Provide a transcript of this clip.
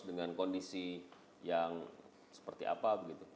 dengan kondisi yang seperti apa